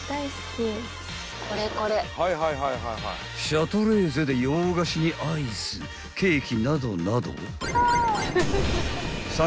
［シャトレーゼで洋菓子にアイスケーキなどなど］